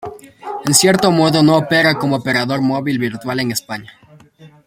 En cierto modo no opera como operador móvil virtual en España.